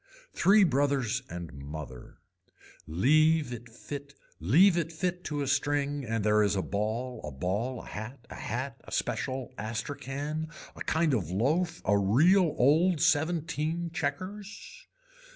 Three brothers and mother. Leave it fit to a string and there is a ball a ball a hat, a hat a special astracan, a kind of loaf, a real old seventeen checkers.